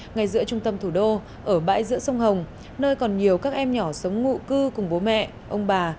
ngay giữa trung tâm thủ đô ở bãi giữa sông hồng nơi còn nhiều các em nhỏ sống ngụ cư cùng bố mẹ ông bà